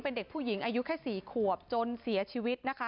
เป็นเด็กผู้หญิงอายุแค่๔ขวบจนเสียชีวิตนะคะ